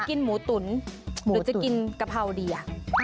กินหมูตุ๋นหรือจะกินกะเพราดี